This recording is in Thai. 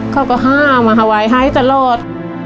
เขาก็ห้ามอหวายให้จะโลด